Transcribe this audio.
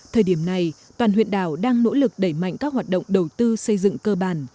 thời điểm này toàn huyện đảo đang nỗ lực đẩy mạnh các hoạt động đầu tư xây dựng cơ bản